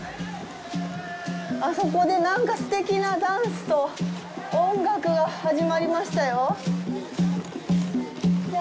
あそこでなんかすてきなダンスと音楽が始まりましたよ。